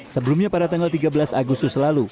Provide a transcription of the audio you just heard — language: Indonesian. sebelumnya pada tanggal tiga belas agustus lalu